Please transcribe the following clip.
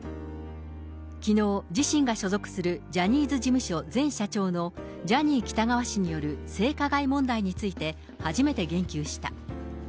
きのう、自身が所属するジャニーズ事務所前社長のジャニー喜多川氏による性加害問題について、初めて言及した。